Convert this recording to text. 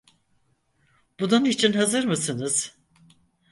Bunun için hazır mısın?